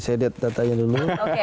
saya lihat datanya dulu